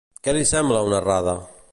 Què li sembla una errada?